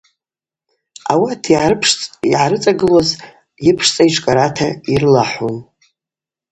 Ауат йгӏарыцӏагылуаз йыпшцӏа йтшкӏарата йрылахӏун.